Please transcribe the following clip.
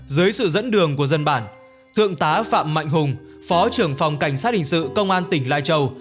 dưới sự dẫn đường của dân bản thượng tá phạm mạnh hùng phó trưởng phòng cảnh sát hình sự công an tỉnh lai châu